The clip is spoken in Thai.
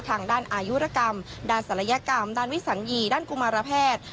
ทางด้านอายุรกรรมด้านศัลยกรรมด้านวิสัญญีด้านกุมารแพทย์